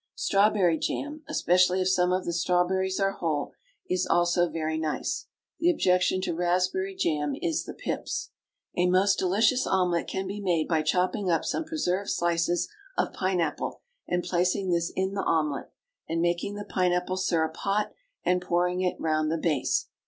Strawberry jam, especially if some of the strawberries are whole, is also very nice. The objection to raspberry jam is the pips. A most delicious omelet can be made by chopping up some preserved slices of pine apple, and placing this in the omelet, and making the pine apple syrup hot and pouring it round the base.